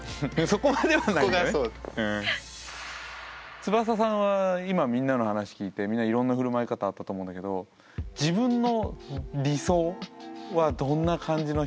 つばささんは今みんなの話聞いてみんないろんな振る舞い方あったと思うんだけど自分の理想はどんな感じの人づきあいになると思う？